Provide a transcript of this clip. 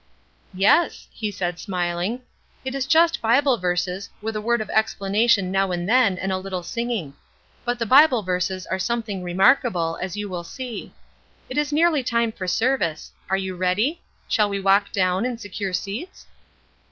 "Yes," he said, smiling. "It is just Bible verses, with a word of explanation now and then and a little singing. But the Bible verses are something remarkable, as you will see. It is nearly time for service. Are you ready? Shall we walk down and secure seats?"